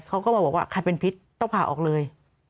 เขาก็มาบอกว่าใครเป็นพิษต้องผ่าออกเลย